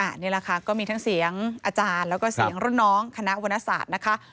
นี่แหละค่ะก็มีทั้งเสียงอาจารย์แล้วก็เสียงรุ่นน้องคณะวรรณศาสตร์นะคะ